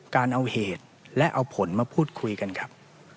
การเอาเหตุและเอาผลมาพูดคุยกันครับ